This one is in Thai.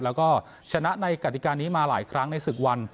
แล้วก็ชนะในกฎิกานี้มาหลายครั้งในศึกวัน